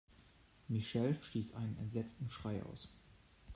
Michelle stieß einen entsetzten Schrei aus.